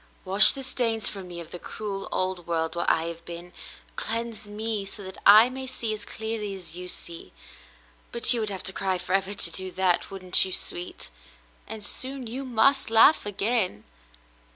Wash the stains from me of the cruel old world where I have been ; cleanse me so that I may see as clearly as you see ; but you would have to cry forever to do that, wouldn't you, sweet ? And soon you must laugh again."